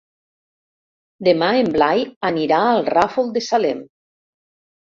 Demà en Blai anirà al Ràfol de Salem.